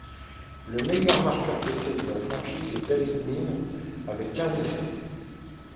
Le meilleur marqueur d'essais de la franchise est David Mead avec quinze essais.